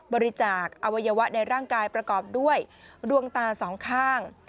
บริจาคอวัยวะในร่างกายประกอบด้วยดวงตาสองข้าง